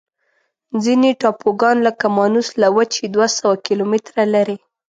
ځینې ټاپوګان لکه مانوس له وچې دوه سوه کیلومتره لري.